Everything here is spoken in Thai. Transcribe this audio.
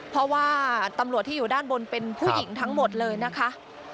เพราะว่าตำรวจที่อยู่ด้านบนเป็นผู้หญิงทั้งหมดเลยนะคะ